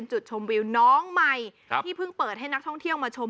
สุดยอดน้ำมันเครื่องจากญี่ปุ่น